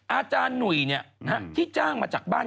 อาจารย์หนุ่ยที่จ้างมาจากบ้าน